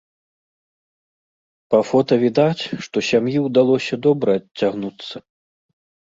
Па фота відаць, што сям'і ўдалося добра адцягнуцца.